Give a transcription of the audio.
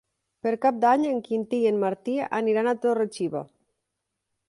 Per Cap d'Any en Quintí i en Martí aniran a Torre-xiva.